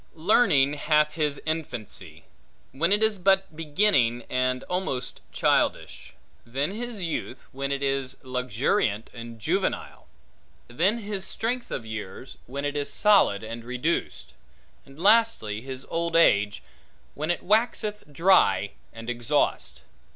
Learning hath his infancy, when it is but beginning and almost childish; then his youth, when it is luxuriant and juvenile; then his strength of years, when it is solid and reduced; and lastly, his old age, when it waxeth dry and exhaust.